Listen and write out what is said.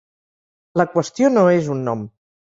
La qüestió no és un nom.